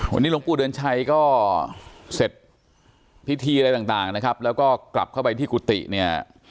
วันนี้หลวงปู่เดือนชัยก็เสร็จพิธีอะไรต่างนะครับแล้วก็กลับเข้าไปที่กุฏิเนี่ย